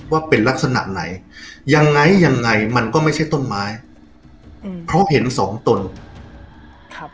ว่าเป็นลักษณะไหนยังไงยังไงมันก็ไม่ใช่ต้นไม้อืมเพราะเห็นสองตนครับ